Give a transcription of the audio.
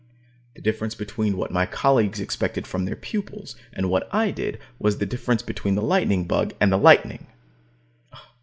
The difference between what my colleagues expected from their pupils and what I did was the difference between the lightning bug and the lightning.